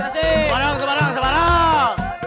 semarang semarang semarang